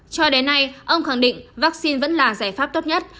cho đến nay ông khẳng định vaccine vẫn là giải pháp tốt nhất